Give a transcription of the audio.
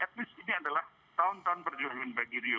at least ini adalah tahun tahun perjuangan bagi rio